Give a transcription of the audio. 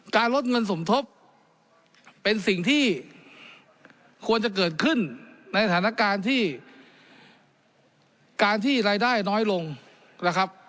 ลดเงินสมทบเป็นสิ่งที่ควรจะเกิดขึ้นในสถานการณ์ที่การที่รายได้น้อยลงนะครับ